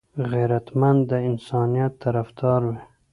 غیرتمند د انسانيت طرفدار وي